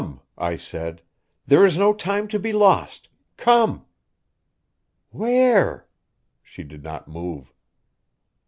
"Come," I said; "there is no time to be lost. Come!" "Where?" She did not move.